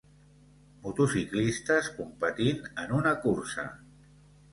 Motociclistes competint en una cursa.